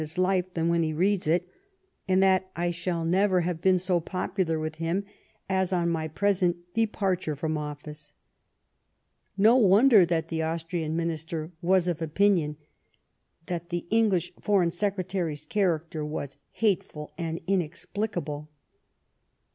his life than when he reads it, and that I shall never 3 * 86 LIFE OF VISCOUNT PALMEB8T0N. have been so popular with him as on my departare from office." No wonder that the Austrian Minister was of opinion that the English Foreign Secretary's character was '^ hateful and inexplicable."